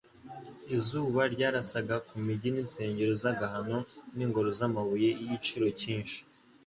Izuba ryarasaga ku migi n’insengero z’agahano n’ingoro z’amabuye y’igiciro cyinshi